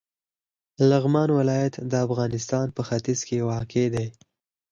لغمان ولایت د افغانستان په ختیځ کې واقع دی.